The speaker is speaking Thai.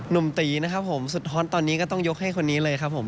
ตีนะครับผมสุดฮอตตอนนี้ก็ต้องยกให้คนนี้เลยครับผม